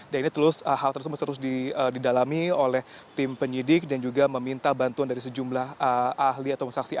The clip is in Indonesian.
dan ini hal tersebut terus didalami oleh tim penyidik dan juga meminta bantuan dari sejumlah ahli atau saksi ahli